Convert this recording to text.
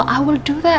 saya akan melakukannya